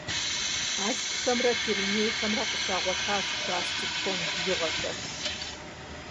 Алъпхэмрэ Перинейхэмрэ къыщагъуэтащ пластик тонн бжыгъэхэр.